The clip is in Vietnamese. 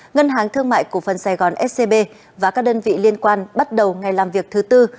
ngân hàng thương mại cổ phần sài gòn scb và các đơn vị liên quan bắt đầu ngày làm việc thứ tư